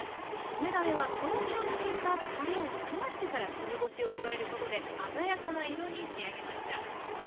梅だれはとろみをつけたたれを冷ましてから梅干しを加えることで鮮やかな色に仕上げました。